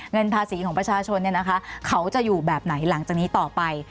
เงินภาษีของประชาชนเขาจะอยู่แบบไหนหลังจากนี้ต่อไป